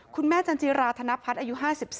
คุณแม่จันทรียราธนพัฒน์อายุ๕๔